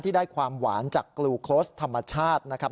ได้ความหวานจากกลูโครสธรรมชาตินะครับ